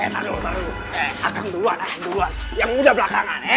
tahan dulu akan duluan yang muda belakangan